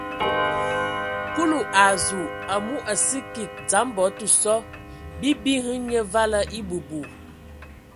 Kulu a zu, amu a sə kig dzam bɔ tə so: bii bi hm nye vala ebu bu.